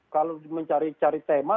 kalau mencari cari tema